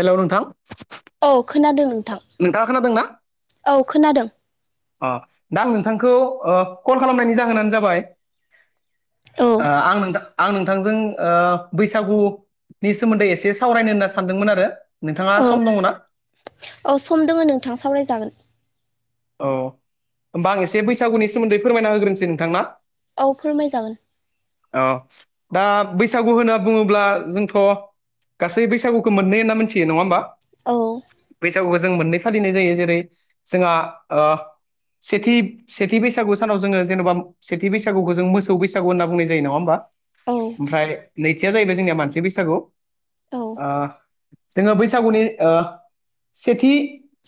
हेल' नोंथां। औ खोनादों नोंथां नोंथाङा खोनादोंना औ खोनादों। अ दा नोंथांखौ ओ कल खालामनायनि जाहोनानो जाबाय औ ओ आं नों आं नोंथांजों ओ बैसागुनि सोमोन्दै एसे सावरायनो होनना सानदोंमोन आरो नोंथाङा सम दङना? औ सम दोङो नोंथां सावरायजागोन। अह होमबा आं एसे बैसागुनि सोमोन्दै फोरमायना होग्रोनसै नोंथांना? औ फोरमाय जागोन। औ दा बैसागु होनोब्ला जोंथ' गासै बैसागुखौ मोननै होनना मोनथियो नङा होमबा? औ। बैसागुखौ जों मोननै फालिनाय जायो जेरै जोंहा ओ सेथि सेथि बैसागु सानाव जोङो जेनेबा सेथि बैसागुखौ जों मोसौ बैसागु होनना बुंनाय जायो नङा होमबा? औ ओमफ्राय नैथिया जाहैबाय जोंनिया मानसि बैसागु। औ ओ जोङो बैसागुनि ओ सेथि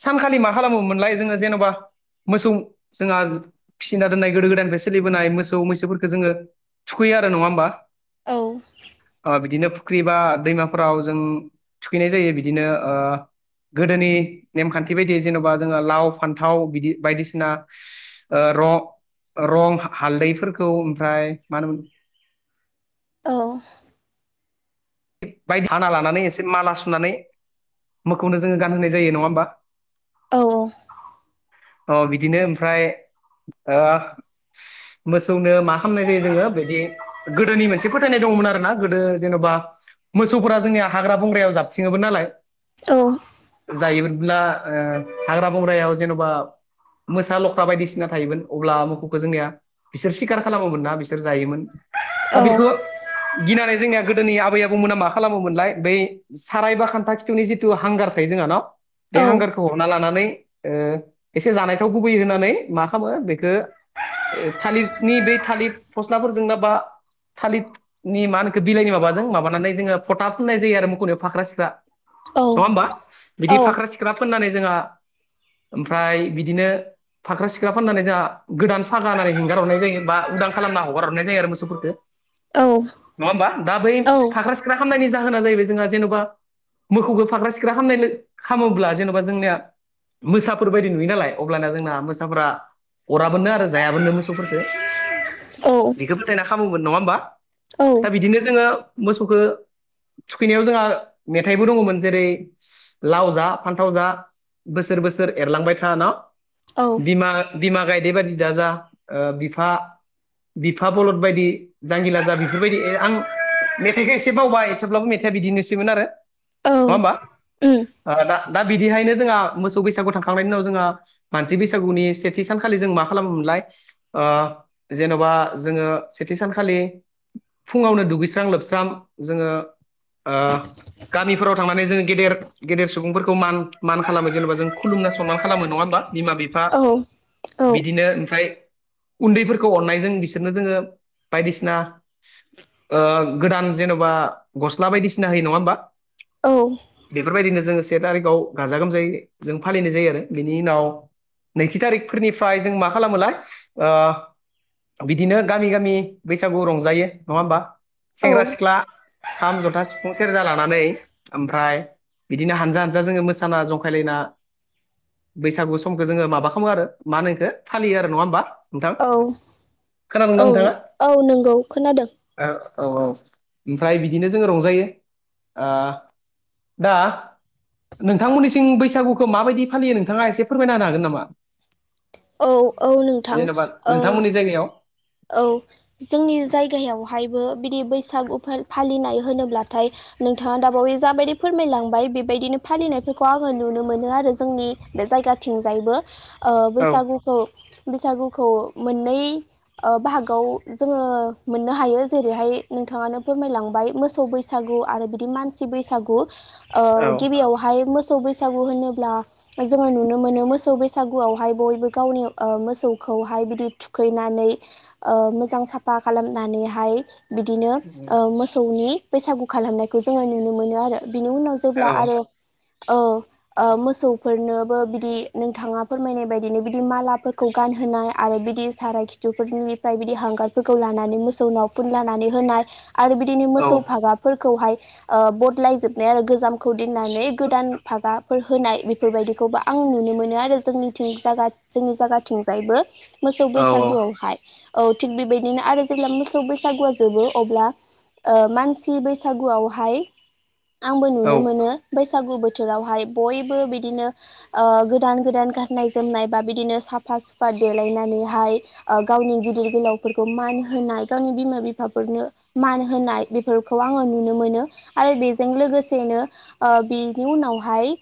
सानखालि मा खालामोमोनलाय जोङो जेन'बा मोसौ जोंहा फिसिना दोननाय गोदो गोदायनिफ्राय सोलिबोनाय मोसौ मैसोफोरखौ जोङो थुखैयो आरो नङा होमबा? औ ओ बिदिनो फुख्रि बा दैमाफोराव जों थुखैनाय जायो। बिदिनो ओ गोदोनि नेमखान्थि बायदि जेन'बा जोङो लाव फान फान्थाव बिदि बायदिसिना ओ रं रं हालदैफोरखौ ओमफ्राय मा होनोमोन औ। [unintelligible] बायदि हाना लानानै एसे माला सुनानै मोखौनो जोङो गानहोनाय जायो नङा होमबा? औ औ। औ बिदिनो ओ ओमफ्राय मोसौनो मा खालामनाय जायो जोङो बिदि गोदोनि मोनसे फोथायनाय दङमोन आरोना, गोदो जेन'बा मोसौफोरा जोंनिया हाग्रा बंग्रायाव जाथिङोमोन नालाय औ। जायोमोनब्ला ओ हाग्रा बंग्रायाव जेन'बा मोसा लख्रा बायदिसिना थायोमोन अब्ला मोखौखौ जोंनिया बिसोर सिखार खालामोमोन ना बिसोर जायोमोन, औ दा बेखौ गिनानै जोंनिया गोदोनि आबै आबौ मोना मा खालामोमोनलाय बै साराय बा खान्था खिथुनि जिथु हांगार थायो जोंहा न? बे हांगारखौ हरनना लानानै ओ एसे जानाय थाव गुबै होननानै मा खालामो बेखौ ओ थालिरनि बै थालिर फस्लाफोरजोंनो बा थालिथनि मा होनखो बिलाइनि माबाजों माबानानै जोङो फथा फुननाय जायो आरो मोखौनियाव फाख्रा सिख्रा नङा होमबा? बिदि फाख्रा सिख्रा फोननानै जोंहा ओमफ्राय बिदिनो फाख्रा-सिख्रा फाननानै जोंहा गोदान फागा होननानै हेंगारहरनाय जायो बा उदां खालामना हगारहरनाय जायो आरो मोसौफोरखौ। औ नङा होमबा दा बै फाख्रा-सिख्रा खालामामनायनि जाहोना जाहैबाय जोंहा जेन'बा मोसौखौ फाग्रा-सिख्रा खालामामनाय खालामोब्ला जेन'बा जोंनिया मोसाफोरबायायदि नुयो नालाय अब्लाना जोंना मोसाफ्रा अराबोनो आरो जायाबोनो मोसौफोरखौ बेखौ फोथायना खालामोमोन नङा होमबा दा औ बिदिनो जोङो मोसौखौ थुखैनायाव जोंहा मेथाइबो दङमोन जेरै लाव जा फान्थाव जा बोसोर बोसोर एरलांबाय था ना औ देबादि दाजा ओ बिफा बिफा बलद बायदि जांगिला जा बेफोरबायदि आं मेथाइखौ एसे बावबाय थेवब्लाबो मेथाइआ बिदिनोसैमोन आरो नङा होमबा ओम ओ दा बिदिहायनो जोंहा मोसौ बैसागु थांखांनायनिनाव जोंहा मानसि बैसागुनि सेथि सानखालि जों मा मा खालामोमोनलाय ओ जेन'बा जोङो सेथि सानखालि फुङावनो दुगैस्रां लोबस्रां जोङो ओ गामिफोराव थांनानै जोङो गेदेर गेदेर सुबुंफोरखौ मान मान खालामो जेनेबा जों खुलुम ना सनमान खालामो नङा होमबा बिमा-बिफा औ औ बिदिनो ओमफ्राय उन्दैफोरखौ अननायजों बिसोरनो जोङो बायदिसिना गोदान जेन'बा गस बायदिसिना होयो नङा हबा औ बेफोरबायदिनो जों से थारिखआव गाजा गोमजायै जों फालिनाय जायो आरो बिनि उनाव नैथि थारिखफोरनिफ्राय जों मा खालामोलाय ओ बिदिनो गामि गामि बैसागु रंजायो नङा होमबा सेंग्रा-सिख्ला खाम, जथा, सिफुं, सेर जालानानै ओमफ्राय बिदिनो हानजा हानजा जोङो मोसाना जंखायलायना बैसागु समखौ जोङो माबा खालामो आरो मा होनखो फालियो आरो नङा होमबा। नोंथां औ खोनादोंना औ नोंथाङा औ नंगौ खोनादों औ औ ओमफ्राय बिदिनो जोङो रंजायो ओ दा नोंथांमोननिसिम बैसागुखौ माबायदि फालियो नोंथाङा एसे फोरमायना होनो हागोन नामा? औ औ नोंथां जेनेबा ओ नोंथांमोननि जायगायाव औ जोंनि जायगायावहायबो बिदि बैसागु फालिनाय होनोब्लाथाय नोंथाङा दाबावै जाबायदि फोरमायलांबाय बेबायदिनो फालिनाय खौ आङो नुनो मोनो आरो जोंनि बे जायगाथिंजायबो ओ औ बैसागुखौ बैसागुखौ मोननै ओ बाहागोआव जोङो मोननो हायो जेरैहाय नोंथाङानो फोरमायलांबाय मोसौ बैसागु मानसि बैसागु ओ औ गिबियावह मो सौ बैसागु होनोब्ला जोङो नुनो मोनो मोसौ बैसागुआवहाय बयबो गावनि मोसौ खौहाय बिदि थुखैनानै ओ मोजां साफा खालामनानैहाय बिदिनो औ ओ मोसौनि बैसागु खालामनायखौ जोङो नुनो मोनो आरो बिनि उनाव जेब्ला आरो औ ओ मोसौफोरनोबो बिदि नोंथाङा फोरमायनाय बायदिनो बिदि मालाफोरखौ गान होनाय आरो बिदि साराय खि बिफोरनिफ्राय बिदि हांगारफोरखौ लानानै मोसौनाव फुनलानानै होनाय आरो बिदिनो औ मोसौ फागाफोरखौहाय ओ बदलायजोबनाय आरो गोजामखौ दोननानै गोदान भागा फोर होनाय बेफोरबायदिखौबो आं नुनो मोनो आरो जोंनिं जा जोंनि जायगाथिंजायबो। मोसौ औ बैसागुआवहाय औ थिग बेबायदिनो आरो जेब्ला मोसौ बैसागुआ जोबो अब्ला ओ मानसि बैसागुआवहाय आंबो औ नुनो मोनो बैसागु बोथोरावहाय बयबो बिदिनो ओ गोदान गोदान गाननाय जोमनाय बा बिदिनो सा फा-सुफा देलायनानैहाय ओ गावनि गिदिर गोलावफोरखौ मान होनाय गावनि बिमा-बिफाफोरनो मान होनाय बेफोरखौ आङो नुनो मोनो आरो बेजों लोगोसेनो ओ बेनि उनावहाय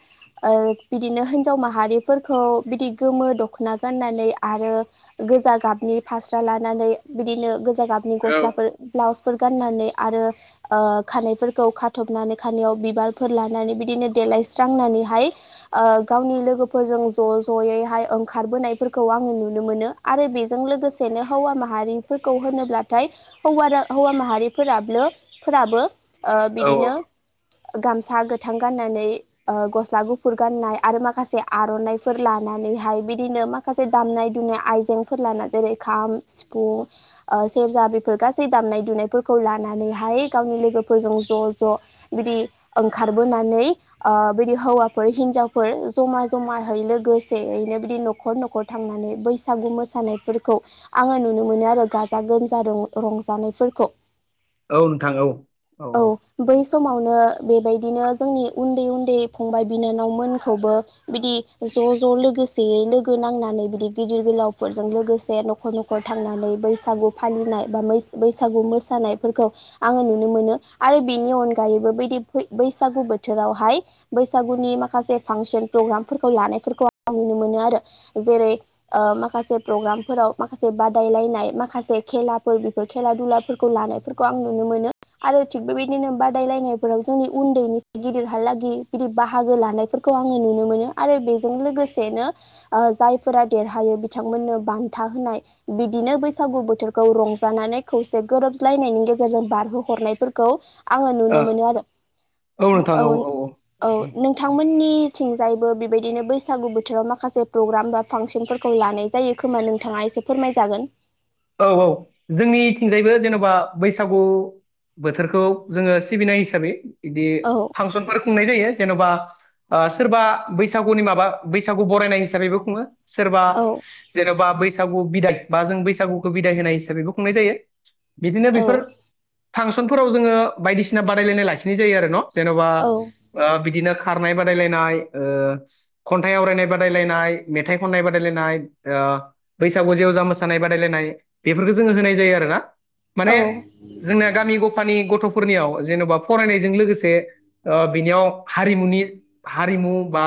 बिदिनो हिनजाव माहारिफोरखौ बिदि गोमो दख'ना गाननानै आरो गोजा गाब नि फास्रा लानानै बिदिनो गोजा गाबनि गस्लाफोर ब्लाउस गनानै आरो ओ खफोरखौ खाथबनानै खाव बिबारफोर लानानै बिदिनो देलायस्रांनानै ओ गावनि लोगोफोरजों ज' ज'ैाय ओंखारबोनायफोरखौ आं नुनो मोनो आरो बे जों लोगोसेनो हौवा माहारिफोरखौ होनोब्लाथाय हौवा माहारिफोराब फोराबो ओ औ बिदिनो गामसा गोथां गाननानै ओ गस्ला गुफुर गाननाय आरो माखासे आर'नाइफोर लानो नैहाय बिदिनो माखासे दामनाय दनाय आइजें फोर लाना जेरै खाम सिफुं ओ सेरजा बेफोर गासै दामनाय दुनायफोरखौ लानानै हाय गावनि लोगोफोरजों ज' ज' बिदि ओंखारबोनानै बिदि हौवाफोर हिनजावफोर जमा जमाहै लोगोसेनो बिदि न'खर न'खर थांनानै बैसागु मोस सानायफोरखौ आङो नुनो मोनो आरो गाजा गोमजा रंजानायफोरखौ औ नोंथां औ औ औ। समावनो बेबायदिनो जोंनि उन्दै उन्दै फंबाय बिनानावमोनखौबो बिदि ज' ज' लोगोसेयै लोगो नांनानै बिदि गिदिर गोलाव फोरजों लोगोसे न'खर न'खर थांनानै बैसागु फालिनाय बा बैसागु मोसानायफोरखौ आङो नुनो मोनो आरो बिनि अनगायैबो बैदि बैसागु बोथोरावहाय बैसागु नि माखासे फांसन प्रग्रामफोरखौ लानायफोरखौ आं नुनो मोनो आरो जेरै ओ माखासे माखासे प्रग्रामफोराव माखासे बादायलायनाय माखासे खेलाफोर बेफोर खेला दुलाफोरखौ लानायफोरखौ आं नुनो मोनो [inaudible] आरो थिग बेबायदिनो बादायलायनायफोराव जोंनि उन्दैनिफ्राय गिदिरहालागि बिदि बाहागो लानायफोरखौ आङो नुनो मोनो आरो बेजों लोगोसेनो जायफोरा देरहायो बिथांमोननो बान्था होनाय बिदिनो बैसागु बोथोरखौ रंजानानै खौसे गोरोबज्लायनायनि गे जेरजों बारहो हरनायफोरखौ आङो नुनो मोनो आरो। नोंथां औ औ नो औ औ औ नोंथांमोननि थिंजायैबो बेबायदिनो बैसागु बोथोराव माखासे प्रग्राम बा फांसनफोरखौ लानाय जायो खोमा नोंथाङा एसे फोरमायजागोन। औ औ जोंनिथिंजायबो जेनेबा बैसागु बोथोरखौ जोङो सिबिनाय हिसाबै बिदि औ फांसनफोर खुंनाय जायो जेन'बा ओ सोरबा बैसागुनि माबा बैसागु बरायनाय हिसाबैबो खुङो। सोरबा औ जेन'बा बैसागु बिदाय बा जों बैसागु बिदाय होनाय हिसाबैबो खुंनाय जायो। बिदिनो औ बेफोर फांसनफोराव जोङो बायदिसिना बादायलायनाय लाखिनाय जायो आरो न' जेन'बा औ ओ बिदिनो खारनाय बादायलायनाय, ओ खन्थाइ आवरायनाय बादायलायनाय, मेथाइ खननाय बादायलायनाय ओ ओ बैसागु जेवजा मोसानाय बादायलायनाय बेफोरखौ जोङो होनाय जायो आरोना। औ माने जोंना गामि गफानि गथ' फोरनियाव जेन'बा फरायनायजों लोगोसे ओ बिनियाव हारिमुनि हारिमु बा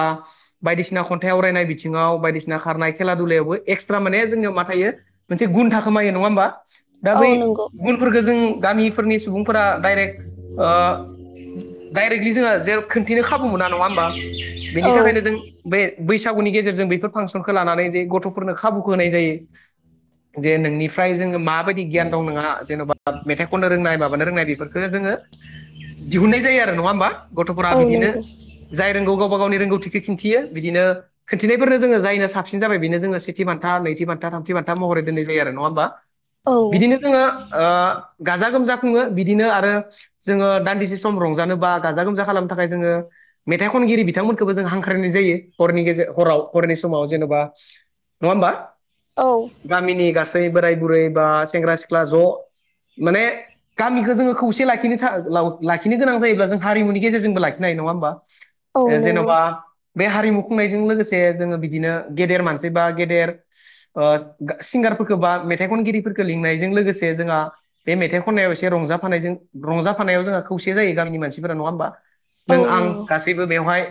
बायदिसिना खन्थाइ आवरायनाय बिथिङाव बायदिसिना खारनाय खेला दुलायावबो एक्सट्रा माने जोंनियाव मा थायो मोनसे गुन थाखोमायो नङा होमबा। दा औ बै नंगौ गुनफोरखौ जों गामिफोरनि सुबुंफोरा डाइरेक्ट ओ डाइरेक्टलि जोङो जेराव खोनन्थिनो खाबु मोना नङा होमबा बेनि औ थाखायनो जों बे बैसा गुनि गेजेरजों बेफोर फासनखौ लानानै गथ'फोरखौ खाबुखौ होनाय जायो। जे नोंनिफ्राय जोङो माबायदि गियान दं नङा जेन'बा मेथाइ खननो रोंनाय माबानो रोंनाय बेफोरखौ जोङो दिहुननाय जायो आरो नङा होमबा गथ'फोरा औ बिदिनो नंगौ जाय रोंगौ गावबा गावनि रोंगौथि खिन्थियो बिदिनो खोन्थिनायफोरनो जोङो जायनो साबसिन जाबाय बेनो जोङो सेथि बान्था नैथि बान्था थामथि बान्था महरै दोनै होयो आरो नङा होनबा औ बिदिनो जोङो ओ गाजा गोमजा खुङो बिदिनो आरो जोङो दान्दिसे सम रंजानोबा गाजा गोमजा खालामनो थाखाय जोङो मेथाइ खनगिरि बिथांमोनखौबो जों हांख्रायनाय जायो। हरनि गेजे हराव हरनि समाव जेन'बा नङा होमबा औ गामिनि गासै बोराय बुरै बा सेंग्रा सिख्ला ज' माने गामिखौ जोङो खौसे लाखिनो हायो नङा ओमबा। औ ए नंगौ जेन'बा बे हारिमु खुंनायजों लोगोसे जोङो बिदिनो गेदेर मानसि बा गेदेर ओ सिंगार फोरखो बा मेथाइ खनगिरिफोरखौ लिंनायजों लोगोसे जोंहा बे मेथाइ खननायाव एसे रंजाफानायजों रंजा फानायाव जोंहा खौसे जायो गामिनि मानसिफोरा नङा होमबा। औ नों आं नंगौ गासैबो बेवहाय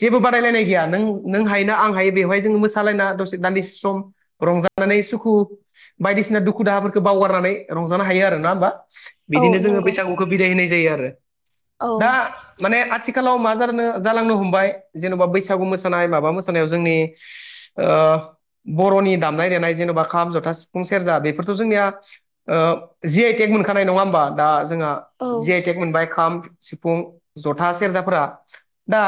जेबो बादायलायनाय गैया नों नों हायोना आं हायो बेवहाय जोङो मोसालायना दसे दान्दिसे सम रंजा नानै सुखु बायदिसिना दुखु दाहाफोरखौ बावगारनानै रंजानो हायो आरो नङा होमबा। औ बिदिनो जोङो नंगौ बैसागुखौ बिदाय होनाय जायो आरो। औ आथिखालाव मा जानो जालांनो हमबाय जेन'बा बैसागु मोसानाय माबा मोसानायाव जोंनि ओ बर'नि दामनाय देनाय जेन'बा खाम, जथा, सि फुं, सेरजा बेफोरथ' जोंनिया जि आइ टेक मोनखानाय नङा होमबा दा जोंहा औ जि आइ टेक मोनबाय खाम, सिफुं, जथा, सेरजाफोरा दा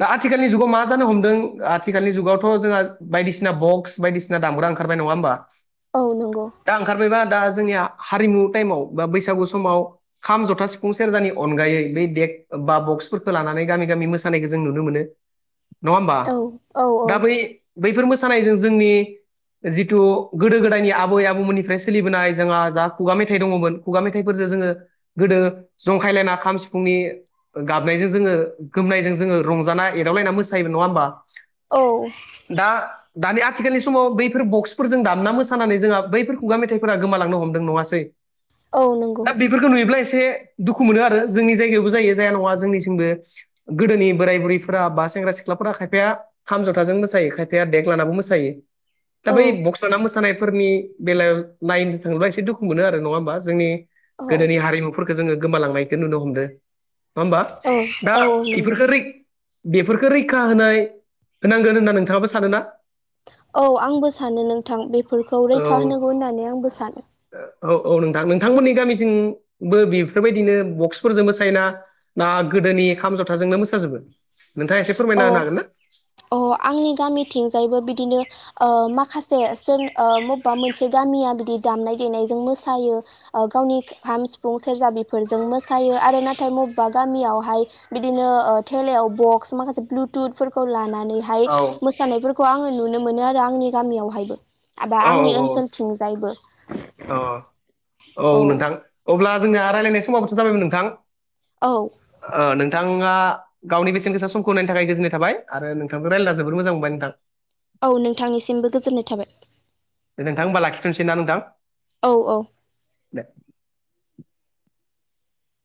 दा आथिखालनि जुगाव मा जानो हमदों आथिखालनि जुगावथ' जोंहा बायदिसिना बक्स बायदिसिना दामग्रा ओंखारबाय नङा होनबा। औ नंगौ दा ओंखारबायबा दा जोंनिया हारिमु टाइमाव बा बैसागु समाव खाम, जथा, सिफुं, सेरजानि अनगायै बै देक बा बक्सफोरखौ लानानै गामि गामि मोसानायखौ जों नुनो मोनो नङा होमबा औ औ दा बै बैफोर मोसानायजों जोंनि जिथु गोदो गोदायनि आबै आबौमोननिफ्राय सोलिबोनाय जोंहा जा खुगा मेथाइ दङमोन खुगा मेथाइफोरजों जोङो गोदो जोङो जंखायलायना खाम सिफुंनि गाबनायजों जोङो गोमनायजों जोङो रंजाना एदावलायनानै मोसायो नङा होमबा औ दा दानि आथिखालनि समाव बैफोर बक्सफोरजों दाब पा मोसानानै जोंहा बैफोर खुगा मेथाइफोरा गोमालांनो हमदों नङासै औ नंगौ दा बेफोरखौ नुयोब्ला एसे दुखु मोनो आरो जोंनि जायगायावबो जायो जाया नङा जोंनिसिमबो गोदोनि बोराय बुरैफोरा बा सेंग्रा सिख्लाफोरा खायफाया थामजथाजों मोसायो खायफाया देग्लानाबो मोसायो दा औ बै बक्सारा मोसानायफोरनि बेलायाव नायनो थाङोब्ला एसे दुखु मोनो आरो नङा होमबा जोंनि औ औ गोदोनि हारिमुफोरखौ जोङो गोमालांनायखौ नुनो हमदों नङा होमबा औ दा औ नंगौ इफोरखौ रै बेफोरखौ रैखा होनाय होनांगोन होनना नोंथाङाबो सानो ना। औ आंबो सानो नोंथां बेफोरखौ रैखा औ होनांगौ होननानै आंबो सानो। औ औ नोंथां नोंथांमोननि गामिसिंबो बेफोरबायदिनो बक्सफोरजोंबो सायना ना। [unintelligible] गोदोनि खाम जथाजोंनो मोसाजोबो नोंथाङा एसे औ फोरमायना होनो हागोन ना? अ आंनि गामिथिंजायबो बिदिनो ओ माखासे सोर ओ मबेबा मोनसे गामिया बिदि दामनाय देनायजों मोसायो गावनि खाम सिफुं सोरेरजा बिफोरजों मोसायो आरो नाथाय बबेबा गामियावहाय बिदिनो थेलायाव बक्स माखासे ब्लुथुथ फोरफोरखौ लानानैहाय औ मोसानायफोरखौ आङो नुनो मोनो आरो आंनि गामियावहायबो एबा औ आंनि औ ओनसोलथिं जायबो अ औ नोंथां अब्ला जोंनिया रायज्लायनाय समावथ जाबायमोन नोंथां औ नोंथां नोंथाङा गावनि बेसेन गोसा समखौ होनायनि थाखाय गोजोननाय थाबाय आरो नोंथांखौ रायल्लना जोबोर मोजां मोनबाय नोंथां औ नोंथांनिसिमबो गोजोननाय थाबाय नोंथां होमबा लाखिथनसै ना नोंथां औ औ दे